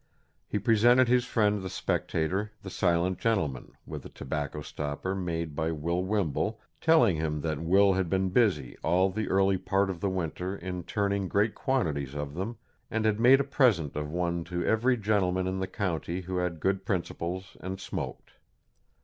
He presented his friend the Spectator, the silent gentleman, with a tobacco stopper made by Will Wimble, telling him that Will had been busy all the early part of the winter in turning great quantities of them, and had made a present of one to every gentleman in the county who had good principles and smoked.